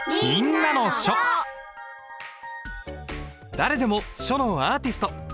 誰でも書のアーティスト！